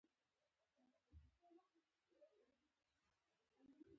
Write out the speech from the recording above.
زور مې نه رسېږي.